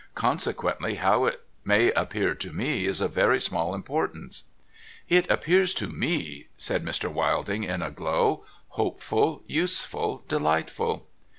' Consequently, how it may appear to me is of very small importance.' 'It appears to nic^ said Mr. Wilding, in a glow, 'hopeful, useful, delightful